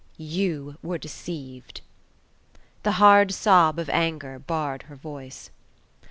"You were deceived!" The hard sob of anger barred her voice.